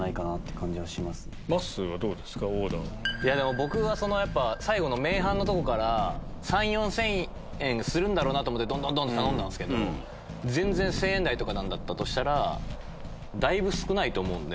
僕は最後の麺・飯のとこから３０００４０００円するだろうと思ってどんどんどんって頼んだけど全然１０００円台とかだとしたらだいぶ少ないと思うんで。